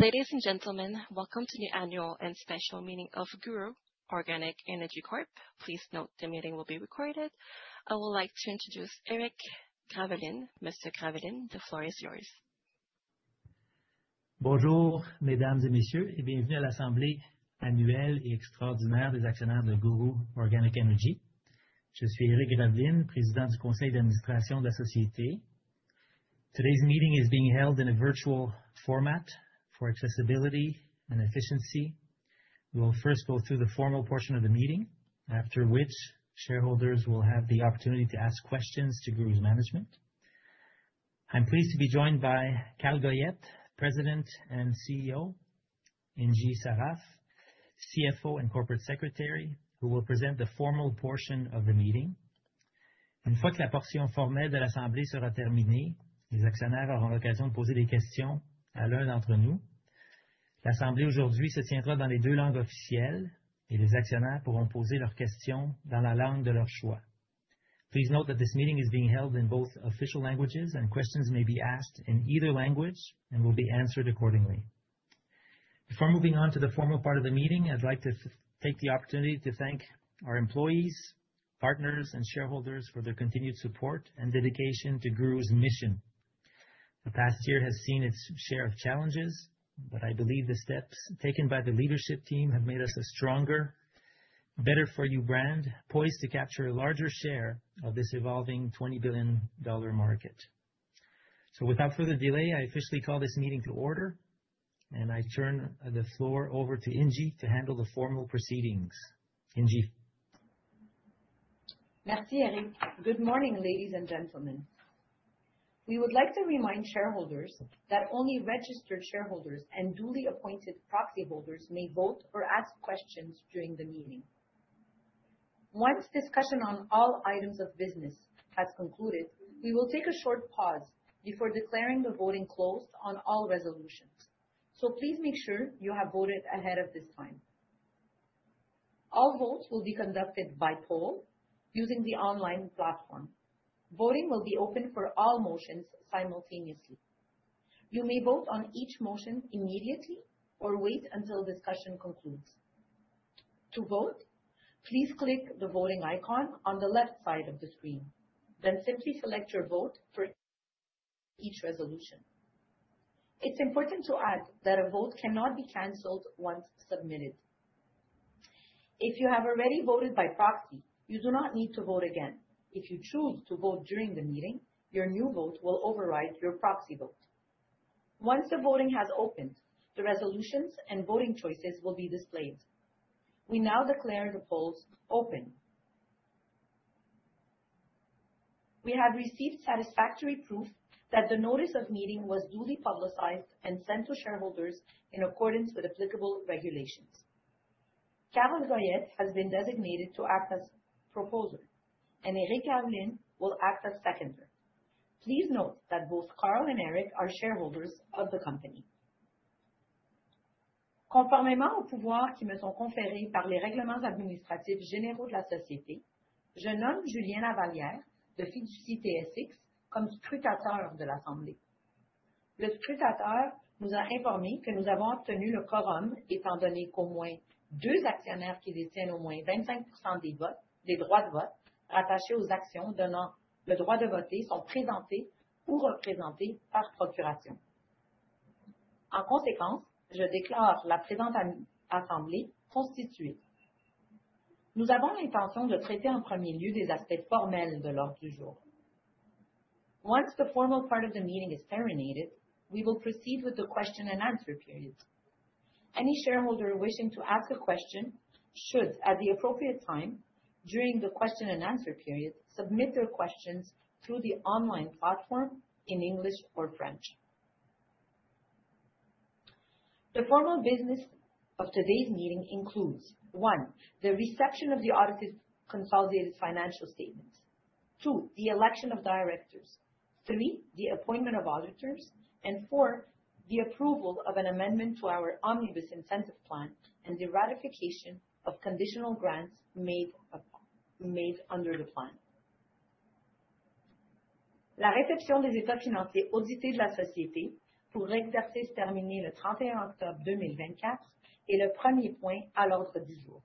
Ladies and gentlemen, welcome to the annual and special meeting of GURU Organic Energy Corp. Please note the meeting will be recorded. I would like to introduce Eric Graveline. Mr. Graveline, the floor is yours. Bonjour, mesdames et messieurs, et bienvenue à l'assemblée annuelle et extraordinaire des actionnaires de GURU Organic Energy. Je suis Eric Graveline, président du conseil d'administration de la société. Today's meeting is being held in a virtual format for accessibility and efficiency. We will first go through the formal portion of the meeting, after which shareholders will have the opportunity to ask questions to GURU's management. I'm pleased to be joined by Carl Goyette, President and CEO, Ingy Sarraf, CFO and Corporate Secretary, who will present the formal portion of the meeting. Une fois que la portion formelle de l'assemblée sera terminée, les actionnaires auront l'occasion de poser des questions à l'un d'entre nous. L'assemblée aujourd'hui se tiendra dans les deux langues officielles, et les actionnaires pourront poser leurs questions dans la langue de leur choix. Please note that this meeting is being held in both official languages, and questions may be asked in either language and will be answered accordingly. Before moving on to the formal part of the meeting, I'd like to take the opportunity to thank our employees, partners, and shareholders for their continued support and dedication to GURU's mission. The past year has seen its share of challenges, but I believe the steps taken by the leadership team have made us a stronger, better-for-you brand poised to capture a larger share of this evolving $20 billion market. Without further delay, I officially call this meeting to order, and I turn the floor over to Ingy to handle the formal proceedings. Ingy. Merci, Eric. Good morning, ladies and gentlemen. We would like to remind shareholders that only registered shareholders and duly appointed proxy holders may vote or ask questions during the meeting. Once discussion on all items of business has concluded, we will take a short pause before declaring the voting closed on all resolutions. Please make sure you have voted ahead of this time. All votes will be conducted by poll using the online platform. Voting will be open for all motions simultaneously. You may vote on each motion immediately or wait until discussion concludes. To vote, please click the voting icon on the left side of the screen. Then simply select your vote for each resolution. It is important to add that a vote cannot be canceled once submitted. If you have already voted by proxy, you do not need to vote again. If you choose to vote during the meeting, your new vote will override your proxy vote. Once the voting has opened, the resolutions and voting choices will be displayed. We now declare the polls open. We have received satisfactory proof that the notice of meeting was duly publicized and sent to shareholders in accordance with applicable regulations. Carl Goyette has been designated to act as proposer, and Eric Graveline will act as seconder. Please note that both Carl and Eric are shareholders of the company. Conformément aux pouvoirs qui me sont conférés par les règlements administratifs généraux de la société, je nomme Julien Lavallière, de Fiducie TSX, comme scrutateur de l'assemblée. Le scrutateur nous a informés que nous avons obtenu le quorum, étant donné qu'au moins deux actionnaires qui détiennent au moins 25% des droits de vote rattachés aux actions donnant le droit de voter sont présentés ou représentés par procuration. En conséquence, je déclare la présente assemblée constituée. Nous avons l'intention de traiter en premier lieu des aspects formels de l'ordre du jour. Once the formal part of the meeting is terminated, we will proceed with the question and answer period. Any shareholder wishing to ask a question should, at the appropriate time during the question and answer period, submit their questions through the online platform in English or French. The formal business of today's meeting includes: 1) the reception of the audited consolidated financial statements; 2) the election of directors; 3) the appointment of auditors; and 4) the approval of an amendment to our omnibus incentive plan and the ratification of conditional grants made under the plan. La réception des états financiers audités de la société pour l'exercice terminé le 31 octobre 2024 est le premier point à l'ordre du jour.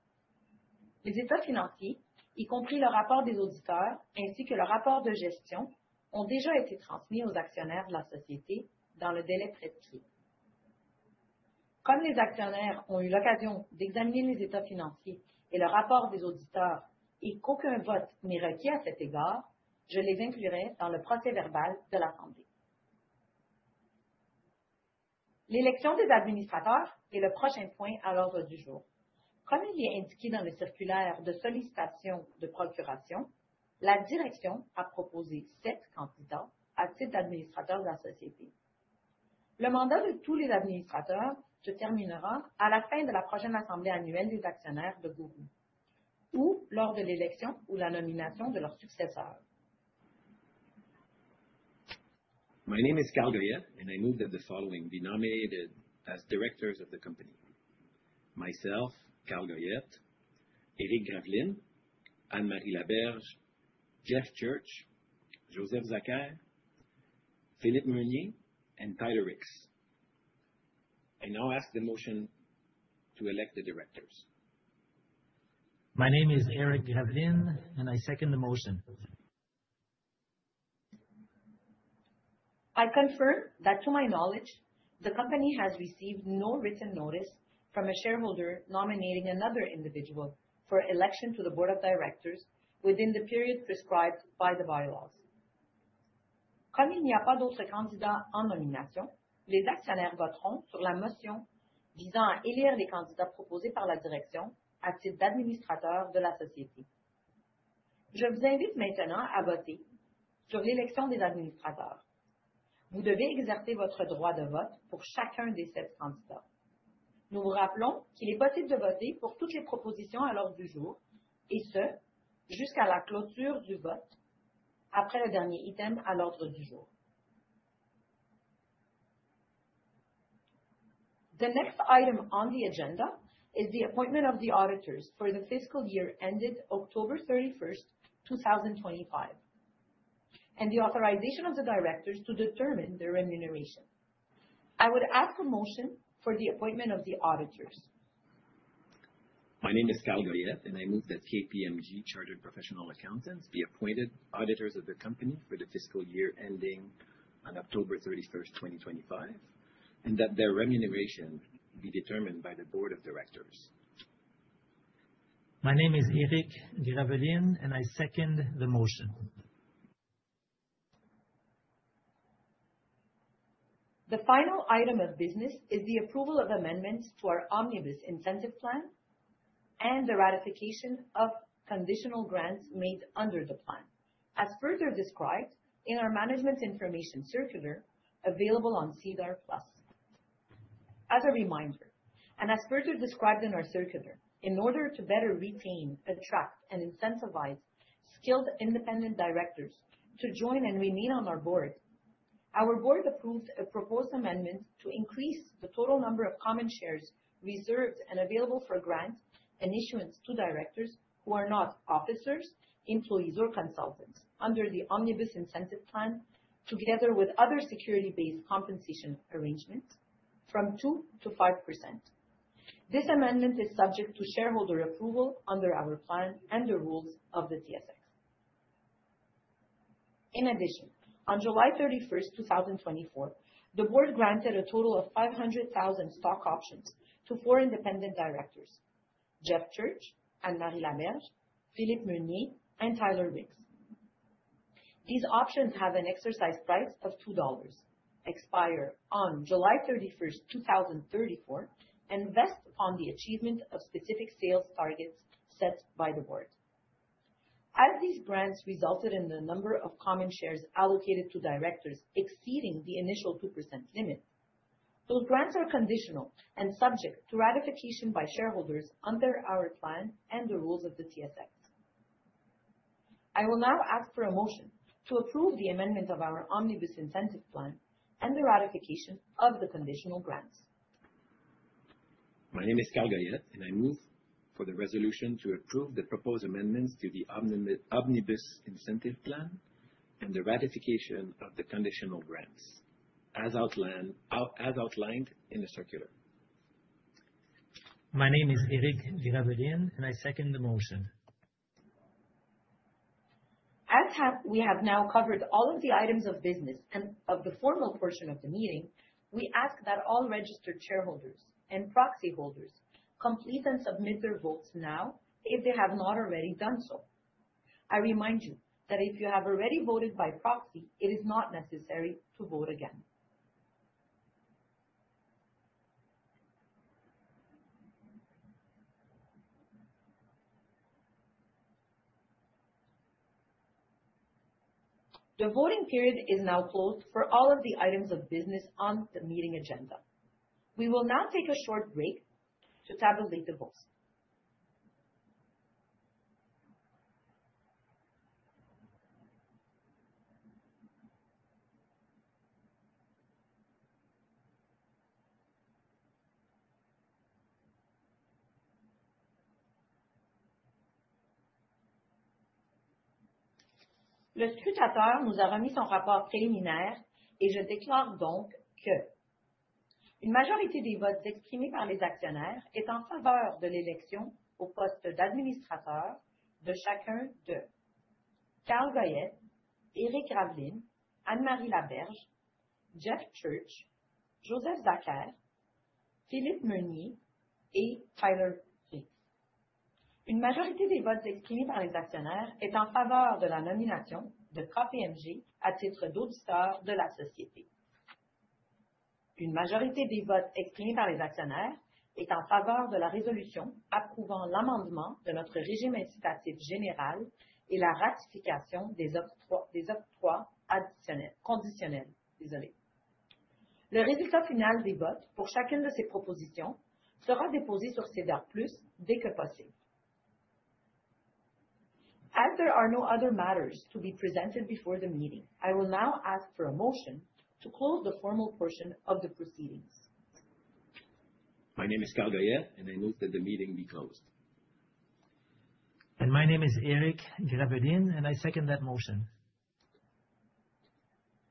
Les états financiers, y compris le rapport des auditeurs ainsi que le rapport de gestion, ont déjà été transmis aux actionnaires de la société dans le délai prescrit. Comme les actionnaires ont eu l'occasion d'examiner les états financiers et le rapport des auditeurs, et qu'aucun vote n'est requis à cet égard, je les inclurai dans le procès-verbal de l'assemblée. L'élection des administrateurs est le prochain point à l'ordre du jour. Comme il est indiqué dans le circulaire de sollicitation de procuration, la direction a proposé sept candidats à titre d'administrateurs de la société. Le mandat de tous les administrateurs se terminera à la fin de la prochaine assemblée annuelle des actionnaires de GURU, ou lors de l'élection ou la nomination de leur successeur. My name is Carl Goyette, and I move that the following be nominated as directors of the company: myself, Carl Goyette; Eric Graveline; Anne-Marie Laberge; Jeff Church; Joseph Zakher; Philippe Meunier; and Tyler Ricks. I now ask the motion to elect the directors. My name is Eric Graveline, and I second the motion. I confirm that to my knowledge, the company has received no written notice from a shareholder nominating another individual for election to the board of directors within the period prescribed by the bylaws. Comme il n'y a pas d'autres candidats en nomination, les actionnaires voteront sur la motion visant à élire les candidats proposés par la direction à titre d'administrateurs de la société. Je vous invite maintenant à voter sur l'élection des administrateurs. Vous devez exercer votre droit de vote pour chacun des sept candidats. Nous vous rappelons qu'il est possible de voter pour toutes les propositions à l'ordre du jour, et ce, jusqu'à la clôture du vote après le dernier item à l'ordre du jour. The next item on the agenda is the appointment of the auditors for the fiscal year ended October 31, 2025, and the authorization of the directors to determine their remuneration. I would ask a motion for the appointment of the auditors. My name is Carl Goyette, and I move that KPMG Chartered Professional Accountants be appointed auditors of the company for the fiscal year ending on October 31, 2025, and that their remuneration be determined by the board of directors. My name is Eric Graveline, and I second the motion. The final item of business is the approval of amendments to our omnibus incentive plan and the ratification of conditional grants made under the plan, as further described in our management information circular available on SEDAR+. As a reminder, and as further described in our circular, in order to better retain, attract, and incentivize skilled independent directors to join and remain on our board, our board approved a proposed amendment to increase the total number of common shares reserved and available for grant and issuance to directors who are not officers, employees, or consultants under the omnibus incentive plan, together with other security-based compensation arrangements from 2% to 5%. This amendment is subject to shareholder approval under our plan and the rules of the TSX. In addition, on July 31, 2024, the board granted a total of 500,000 stock options to four independent directors: Jeff Church, Anne-Marie Laberge, Philippe Meunier, and Tyler Ricks. These options have an exercise price of $2, expire on July 31, 2034, and vest upon the achievement of specific sales targets set by the board. As these grants resulted in the number of common shares allocated to directors exceeding the initial 2% limit, those grants are conditional and subject to ratification by shareholders under our plan and the rules of the TSX. I will now ask for a motion to approve the amendment of our omnibus incentive plan and the ratification of the conditional grants. My name is Carl Goyette, and I move for the resolution to approve the proposed amendments to the omnibus incentive plan and the ratification of the conditional grants, as outlined in the circular. My name is Eric Graveline, and I second the motion. As we have now covered all of the items of business and of the formal portion of the meeting, we ask that all registered shareholders and proxy holders complete and submit their votes now if they have not already done so. I remind you that if you have already voted by proxy, it is not necessary to vote again. The voting period is now closed for all of the items of business on the meeting agenda. We will now take a short break to tabulate the votes. Le scrutateur nous a remis son rapport préliminaire, et je déclare donc que: une majorité des votes exprimés par les actionnaires est en faveur de l'élection au poste d'administrateur de chacun de Carl Goyette, Eric Graveline, Anne-Marie Laberge, Jeff Church, Joseph Zakher, Philippe Meunier et Tyler Ricks. Une majorité des votes exprimés par les actionnaires est en faveur de la nomination de KPMG à titre d'auditeur de la société. Une majorité des votes exprimés par les actionnaires est en faveur de la résolution approuvant l'amendement de notre régime incitatif général et la ratification des octrois conditionnels. Le résultat final des votes pour chacune de ces propositions sera déposé sur SEDAR+ dès que possible. As there are no other matters to be presented before the meeting, I will now ask for a motion to close the formal portion of the proceedings. My name is Carl Goyette, and I move that the meeting be closed. My name is Eric Graveline, and I second that motion.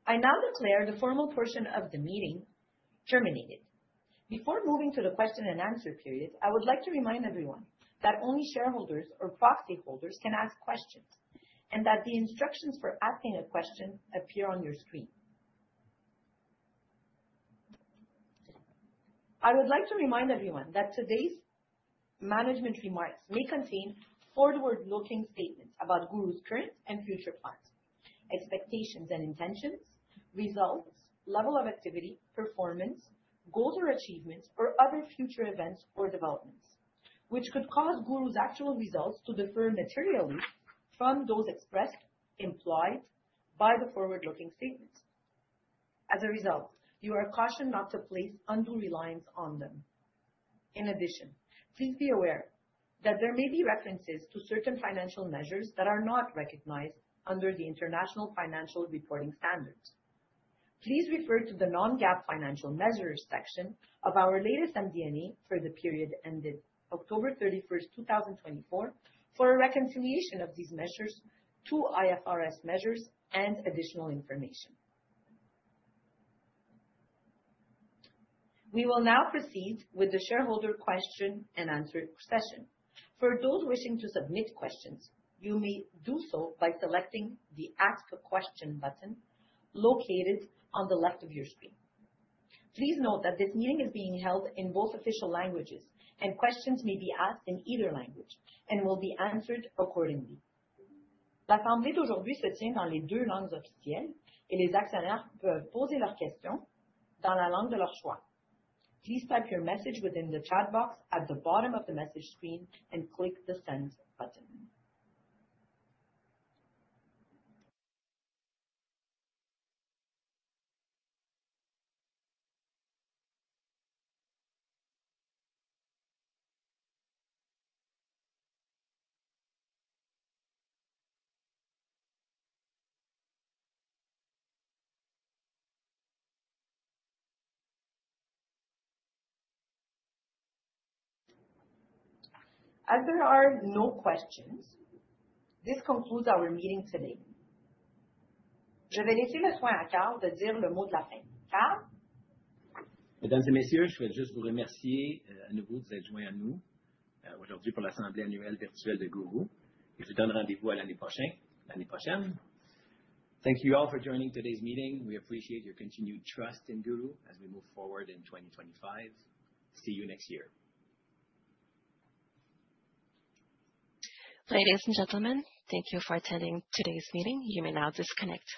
I now declare the formal portion of the meeting terminated. Before moving to the question and answer period, I would like to remind everyone that only shareholders or proxy holders can ask questions and that the instructions for asking a question appear on your screen. I would like to remind everyone that today's management remarks may contain forward-looking statements about GURU's current and future plans, expectations and intentions, results, level of activity, performance, goals or achievements, or other future events or developments, which could cause GURU's actual results to differ materially from those expressed or implied by the forward-looking statements. As a result, you are cautioned not to place undue reliance on them. In addition, please be aware that there may be references to certain financial measures that are not recognized under the International Financial Reporting Standards. Please refer to the Non-GAAP Financial Measures section of our latest MD&A for the period ended October 31, 2024, for a reconciliation of these measures to IFRS measures and additional information. We will now proceed with the shareholder question and answer session. For those wishing to submit questions, you may do so by selecting the Ask a Question button located on the left of your screen. Please note that this meeting is being held in both official languages, and questions may be asked in either language and will be answered accordingly. L'assemblée d'aujourd'hui se tient dans les deux langues officielles, et les actionnaires peuvent poser leurs questions dans la langue de leur choix. Please type your message within the chat box at the bottom of the message screen and click the Send button. As there are no questions, this concludes our meeting today. Je vais laisser le soin à Carl de dire le mot de la fin, Carl. Mesdames et Messieurs, je souhaite juste vous remercier à nouveau de vous être joints à nous aujourd'hui pour l'assemblée annuelle virtuelle de GURU. Je vous donne rendez-vous à l'année prochaine, l'année prochaine. Thank you all for joining today's meeting. We appreciate your continued trust in GURU as we move forward in 2025. See you next year. Ladies and gentlemen, thank you for attending today's meeting. You may now disconnect.